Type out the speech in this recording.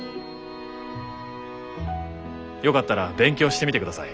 よかったら勉強してみてください。